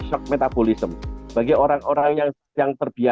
shock metabolism bagi orang orang yang yang terpijak